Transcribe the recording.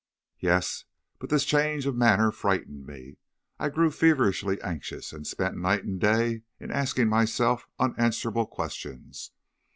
"Yes, but this change of manner frightened me. I grew feverishly anxious, and spent night and day in asking myself unanswerable questions.